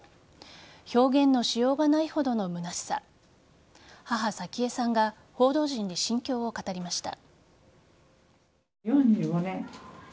表現のしようがないほどのむなしさ母・早紀江さんが報道陣に心境を語りました。